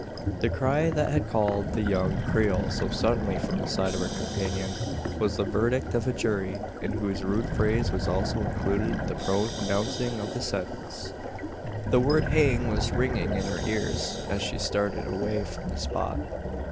The cry, that had called the young Creole so suddenly from the side of her companion, was the verdict of a jury in whose rude phrase was also included the pronouncing of the sentence. The word "hang" was ringing in her ears, as she started away from the spot.